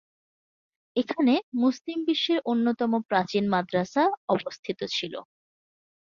এখানে মুসলিম বিশ্বের অন্যতম প্রাচীন মাদ্রাসা অবস্থিত ছিল।